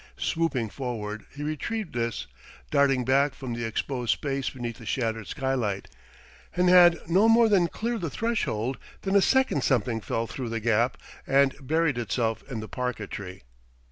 Swooping forward, he retrieved this, darted back from the exposed space beneath the shattered skylight, and had no more than cleared the threshold than a second something fell through the gap and buried itself in the parquetry.